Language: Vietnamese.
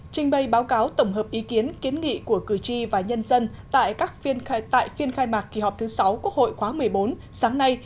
trình bày báo cáo tổng hợp ý kiến kiến nghị của cử tri và nhân dân tại phiên khai mạc kỳ họp thứ sáu quốc hội khóa một mươi bốn sáng nay